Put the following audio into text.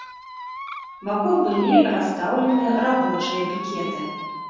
Вакол былі расстаўлены рабочыя пікеты.